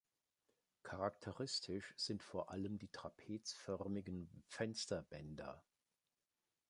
Charakteristisch sind vor allem die trapezförmigen Fensterbänder.